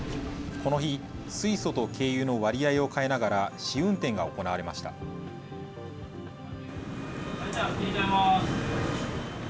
この日、水素と軽油の割合を変えながら、試運転が行われましじゃあ、切り替えます。